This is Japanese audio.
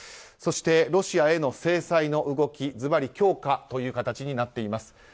そして、ロシアへの制裁の動きズバリ強化という形になっています。